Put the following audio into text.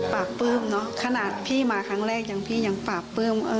ปากปื้มเนอะขนาดพี่มาครั้งแรกพี่ยังปากปื้ม